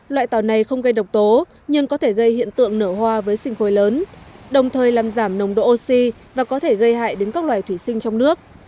loại tàu này không gây độc tố nhưng có thể gây hiện tượng nở hoa với sinh khối lớn đồng thời làm giảm nồng độ oxy và có thể gây hại đến các loài thủy sinh trong nước